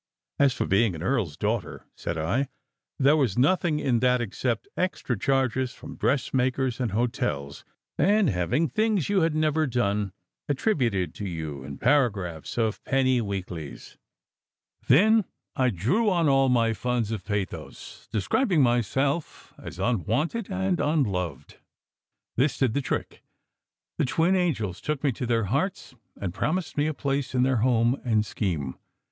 As for being an "earl s daughter," said I, there was nothing in that except extra charges from dressmakers and hotels, and having things you had never done attributed to you in paragraphs of penny weeklies. 50 SECRET HISTORY Then I drew on all my funds of pathos, describing myself as unwanted and unloved. This did the trick! The twin angels took me to their hearts and promised me a place in their home and scheme.